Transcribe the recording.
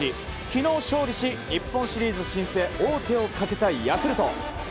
昨日、勝利し日本シリーズ進出へ王手をかけたヤクルト。